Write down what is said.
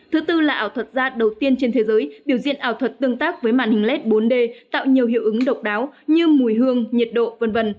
thứ tư là ảo thuật da đầu tiên trên thế giới biểu diễn ảo thuật tương tác với màn hình led bốn d tạo nhiều hiệu ứng độc đáo như mùi hương nhiệt độ v v